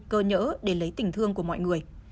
cơ nhỡ để lấy tỉnh thương của mọi người